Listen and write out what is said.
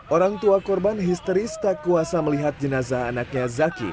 orang tua korban histeris tak kuasa melihat jenazah anaknya zaki